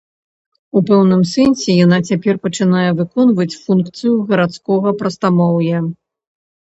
У пэўным сэнсе яна цяпер пачынае выконваць функцыю гарадскога прастамоўя.